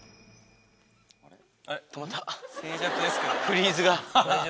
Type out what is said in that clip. フリーズが。